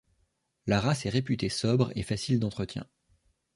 La race est réputée sobre et facile d'entretien.